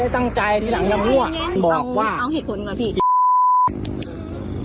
ต้องเอาเหตุผลก่อนพี่